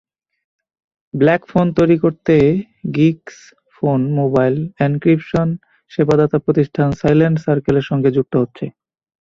Blackphone তৈরি করতে Geeksphone mobile encryption সেবাদাতা প্রতিষ্ঠান সাইলেন্ট সার্কেলের সঙ্গে যুক্ত হচ্ছে।